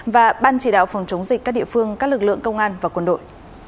và ban chỉ đạo phòng chống dịch các địa phương các lực lượng công an và quân đội